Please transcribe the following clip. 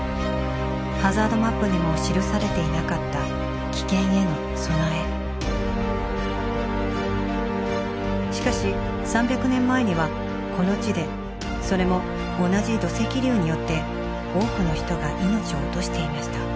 ハザードマップにもしかし３００年前にはこの地でそれも同じ土石流によって多くの人が命を落としていました。